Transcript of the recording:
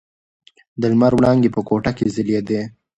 د لمر وړانګې په کوټه کې ځلېدې.